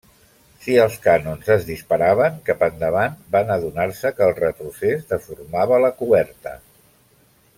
Si els canons es disparaven cap endavant, van adonar-se que el retrocés deformava la coberta.